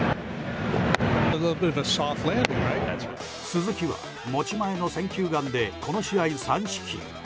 鈴木は持ち前の選球眼でこの試合３四球。